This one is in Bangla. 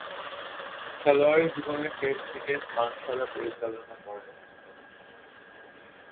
খেলোয়াড়ী জীবনের শেষদিকে পানশালা পরিচালনা করেন।